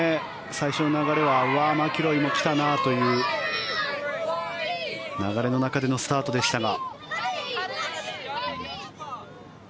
最初の流れはうわあ、マキロイも来たなというような流れの中でのスタートでしたが。